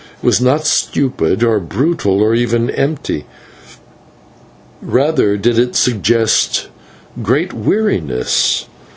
It was not stupid or brutal, or even empty; rather did it suggest great weariness.